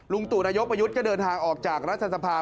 ตู่นายกประยุทธ์ก็เดินทางออกจากรัฐสภา